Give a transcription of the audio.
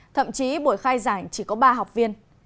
thậm chí buổi khai giảng chỉ có ba học viên